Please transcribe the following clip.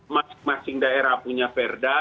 masing masing daerah punya perda